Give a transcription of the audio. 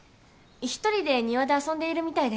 一人で庭で遊んでいるみたいです。